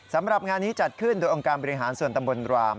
สำหรับงานนี้จัดขึ้นโดยองค์การบริหารส่วนตำบลราม